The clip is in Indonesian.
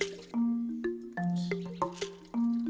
pembah atb tidak bermanfaat